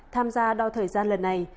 tham gia đo thời gian lần này